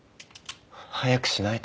早くしないと。